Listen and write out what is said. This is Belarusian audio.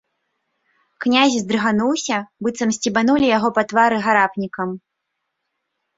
Князь здрыгануўся, быццам сцебанулі яго па твары гарапнікам.